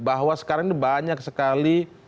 bahwa sekarang ini banyak sekali